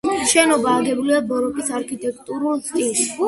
შენობა აგებულია ბაროკოს არქიტექტურულ სტილში.